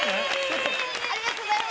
ありがとうございます。